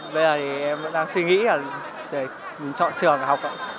bây giờ em vẫn đang suy nghĩ để chọn trường học